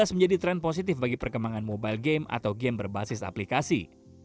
dua ribu tujuh belas menjadi tren positif bagi perkembangan mobile game atau game berbasis aplikasi